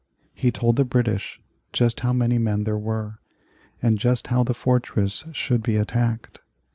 He told the British just how many men there were, and just how the fortress should be attacked.